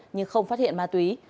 nhưng không phát hiện ma túy